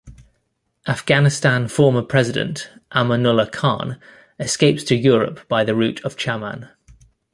Afghanistan Former President Amanullah Khan escapes to Europe by the route of Chaman.